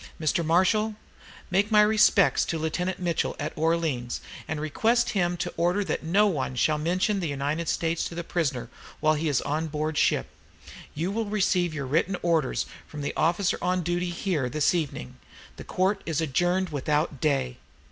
Mr. Marshal, make my respects to Lieutenant Mitchell at Orleans, and request him to order that no one shall mention the United States to the prisoner while he is on board ship. You will receive your written orders from the officer on duty here this evening. The Court is adjourned without day."